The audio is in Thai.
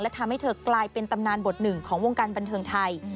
ทำให้เธอกลายเป็นตำนานบทหนึ่งของวงการบันเทิงไทย